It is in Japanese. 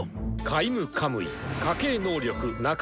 カイム・カムイ家系能力